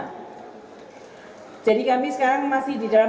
jadi kami sekarang kita harus memiliki hubungan dengan saudara sas